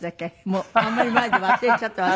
もうあんまり前で忘れちゃったわ。